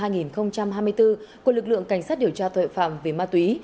năm hai nghìn hai mươi bốn của lực lượng cảnh sát điều tra tội phạm về ma túy